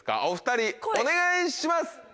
お２人お願いします。